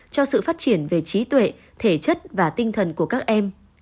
cho sự phát triển về trí tuệ thể chất và tinh thần của các em